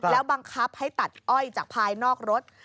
แล้วบังคับให้ตัดอ้อยจากภายนอกรถ